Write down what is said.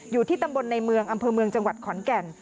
อยู่ที่ตำบลในเมืองอำเภอเมืองจังหวัดขอนแก่น